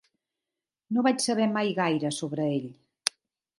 No vaig saber mai gaire sobre ell.